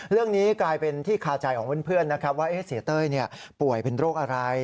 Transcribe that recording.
เรื่องนี้กลายเป็นที่คาใจของเพื่อนนะครับว่าเสียเต้ยป่วยเป็นโรคอะไร